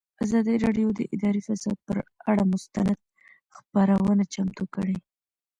ازادي راډیو د اداري فساد پر اړه مستند خپرونه چمتو کړې.